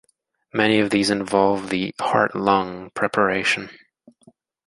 Many of these involved the heart-lung preparation.